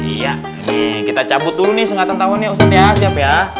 iya nih kita cabut dulu nih senggakah tahan ya ustadz siap ya